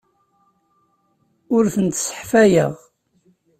Ur tent-sseḥfayeɣ.